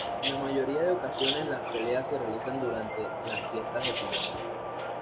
En la mayoría de ocasiones las peleas se realizan durante las fiestas de pijama.